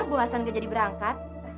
bu hasan dia jadi berangkat